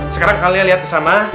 sekarang kalian lihat kesana